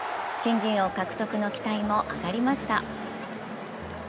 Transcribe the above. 新人王獲得の期待も上がりました。